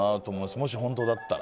もし、本当だったら。